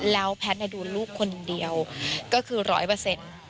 แล้วแพทย์ดูลูกคนเดียวก็คือร้อยเปอร์เซ็นต์